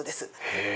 へぇ。